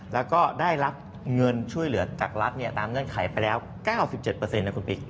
แล้วก็ได้รับเงินช่วยเหลือจากรัฐตามเงื่อนไขไปแล้ว๙๗นะคุณปิ๊ก